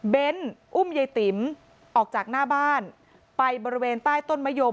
อุ้มยายติ๋มออกจากหน้าบ้านไปบริเวณใต้ต้นมะยม